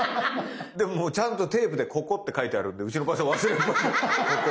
でもちゃんとテープで「ここ」って書いてあるんでうちのばあちゃん忘れっぽいんで「ここ」。